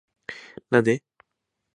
なんでーーー